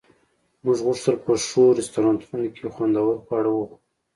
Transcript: موږ غوښتل په ښو رستورانتونو کې خوندور خواړه وخورو